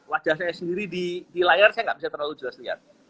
wajah saya sendiri di layar saya nggak bisa terlalu jelas lihat